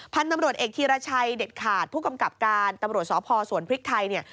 พันธุ์ตำรวจเอกธีรชัยเด็ดขาดผู้กำกับการตำรวจสพสวนพริกไทยเนี่ย